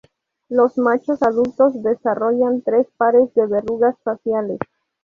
Los machos adultos desarrollan tres pares de verrugas faciales.